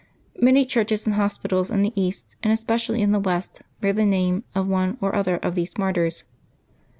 Many churches and hos pitals in the East, and especially in the West, bear the name of one or other of these martyrs.